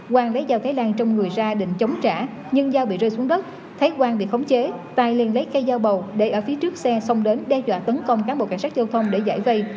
quang lấy dao thái lan trong người ra định chống trả nhưng do bị rơi xuống đất thấy quang bị khống chế tài liền lấy cây dao bầu để ở phía trước xe xông đến đe dọa tấn công cán bộ cảnh sát giao thông để giải vây